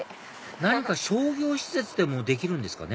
何か商業施設でもできるんですかね？